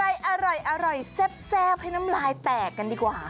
อยื่อถึงอร่อยเซพให้น้ำลายแตกกันดีกว่า